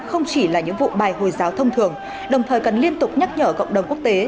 không chỉ là những vụ bài hồi giáo thông thường đồng thời cần liên tục nhắc nhở cộng đồng quốc tế